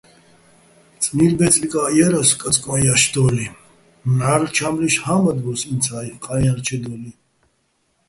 წნილბე́წრიკ ჲარასო̆ კაწკოჼ ჲაშდო́ლიჼ, მჵა́რლ ჩა́მლიშ ჰა́მბადბო́ს ინცა́ჲ, ყაჲალჩედო́ლიჼ.